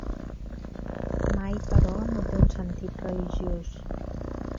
Mai, però, no té un sentit religiós.